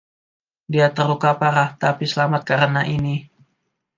Dia terluka parah, tapi selamat karena ini.